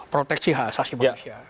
proteksi hak asasi manusia